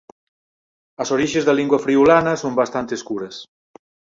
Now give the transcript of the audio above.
As orixes da lingua friulana son bastante escuras.